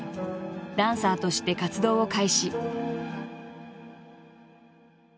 ダンサーとして活動を開始。